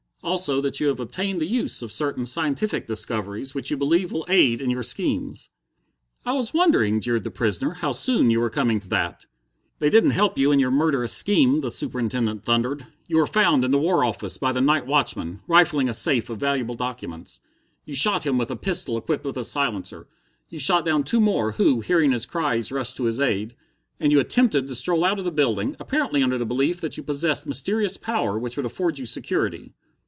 Also that you have obtained the use of certain scientific discoveries which you believe will aid you in your schemes." "I was wondering," jeered the prisoner, "how soon you were coming to that." "They didn't help you in your murderous scheme," the Superintendent thundered. "You were found in the War Office by the night watchman, rifling a safe of valuable documents. You shot him with a pistol equipped with a silencer. You shot down two more who, hearing his cries, rushed to his aid. And you attempted to stroll out of the building, apparently under the belief that you possessed mysterious power which would afford you security."